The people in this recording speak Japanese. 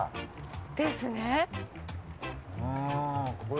ですね。